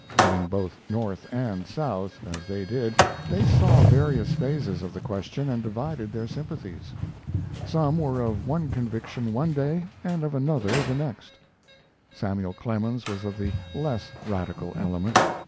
Living both North and South as they did, they saw various phases of the question and divided their sympathies. Some were of one conviction one day and of another the next. Samuel Clemens was of the less radical element.